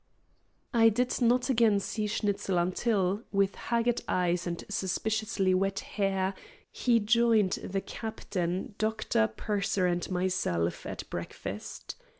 I did not again see Schnitzel until, with haggard eyes and suspiciously wet hair, he joined the captain, doctor, purser, and myself at breakfast.